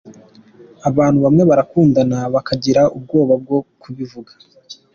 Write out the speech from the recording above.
Abantu bamwe barakundana bakagira ubwoba bwo kubivuga.